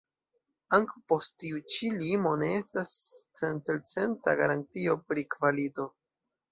Ankaŭ post tiu ĉi limo ne estas centelcenta garantio pri kvalito.